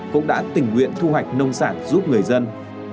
cũng đã tình nguyện thu hoạch nông sản giúp người dân